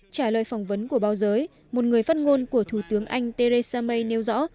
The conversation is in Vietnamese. trả lời phỏng vấn của báo giới một người phát ngôn của thủ tướng anh theresa may nêu rõ